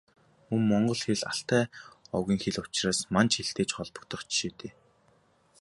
Мөн Монгол хэл Алтай овгийн хэл учраас Манж хэлтэй ч холбогдох жишээтэй.